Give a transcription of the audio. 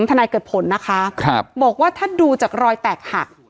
นายเกิดผลนะคะบอกว่าถ้าดูจากรอยแตกหัก